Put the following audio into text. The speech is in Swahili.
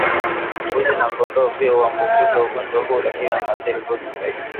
Mbuzi na kondoo pia huambukizwa ugonjwa huu lakini unaathiri mbuzi zaidi